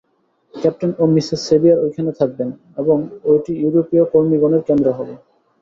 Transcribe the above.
Captain ও Mrs Sevier ঐখানে থাকবেন এবং ঐটি ইউরোপীয় কর্মিগণের কেন্দ্র হবে।